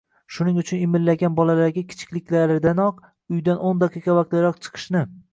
shuning uchun imillagan bolalarga kichikliklaridanoq uydan o'n daqiqa vaqtliroq chiqishni